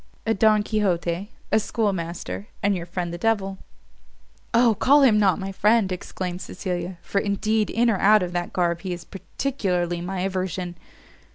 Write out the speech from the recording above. "A Don Quixote, a schoolmaster, and your friend the devil." "O, call him not my friend," exclaimed Cecilia, "for indeed in or out of that garb he is particularly my aversion."